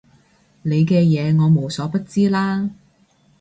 你嘅嘢我無所不知啦